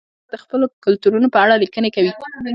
په فېسبوک کې خلک د خپلو کلتورونو په اړه لیکنې کوي